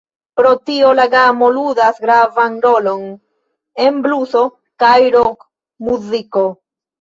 Pro tio la gamo ludas gravan rolon en bluso kaj rokmuziko.